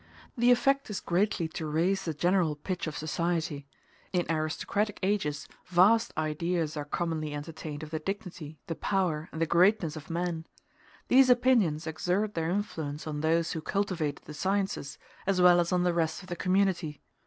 The effect is greatly to raise the general pitch of society. In aristocratic ages vast ideas are commonly entertained of the dignity, the power, and the greatness of man. These opinions exert their influence on those who cultivate the sciences, as well as on the rest of the community.